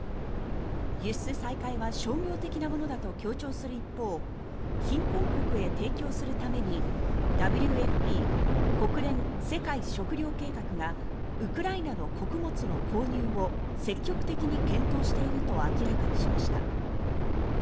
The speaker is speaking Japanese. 輸出再開は商業的なものだと強調する一方貧困国へ提供するためにＷＦＰ・国連世界食糧計画がウクライナの穀物の購入を積極的に検討していると明らかにしました。